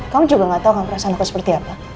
kamu juga enggak tahu perasaan aku seperti apa